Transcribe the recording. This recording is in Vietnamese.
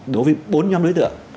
đối với bốn nhóm đối tượng